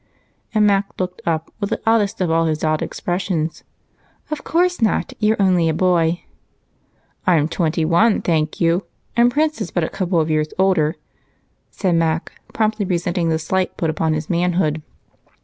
And Mac looked up with the oddest of all his odd expressions. "Of course not you're only a boy." "I'm twenty one, thank you, and Prince is but a couple of years older," said Mac, promptly resenting the slight put upon his manhood.